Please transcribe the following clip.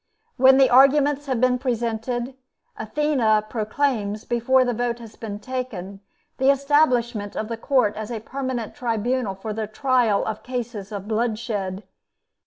When the arguments have been presented, Athena proclaims, before the vote has been taken, the establishment of the court as a permanent tribunal for the trial of cases of bloodshed.